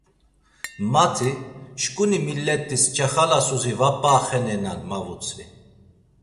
Mati: Şǩuni millet̆is çaxalasuzi va p̌a axenenan. ma vutzvi.